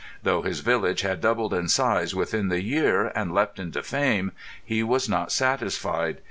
Though his village had doubled in size within the year, and leapt into fame, he was not satisfied.